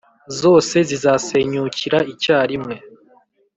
zose zizasenyukira icyarimwe.